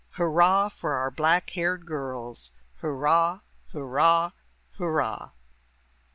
Hurrah for our black haired girls! Hurrah! Hurrah! Hurrah!